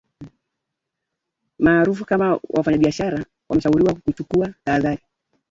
maarufu kama wafanyabiashara wameshauriwa kuchukua tahadhari